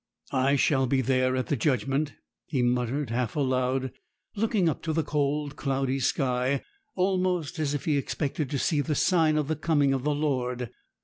'I shall be there at the judgment,' he muttered half aloud, looking up to the cold, cloudy sky, almost as if he expected to see the sign of the coming of the Lord.